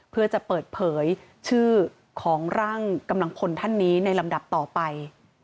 เพื่อจะเปิดเผยชื่อของร่างกำลังพลท่านนี้ในลำดับต่อไป